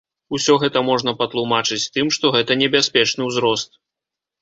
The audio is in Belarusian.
Усё гэта можна патлумачыць тым, што гэта небяспечны ўзрост.